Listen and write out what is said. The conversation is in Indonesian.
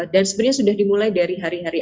dan sebenarnya sudah dimulai dari hari hari